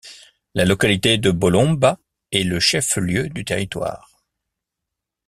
La localité de Bolomba est le chef-lieu du territoire.